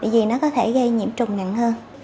vì nó có thể gây nhiễm trùng nặng hơn